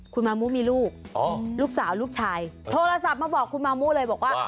คุณมามูมีลูกลูกสาวลูกชายโทรศัพท์มาบอกคุณมามูเลยบอกว่า